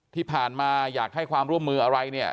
ที่ผ่านมาอยากให้ความร่วมมืออะไรเนี่ย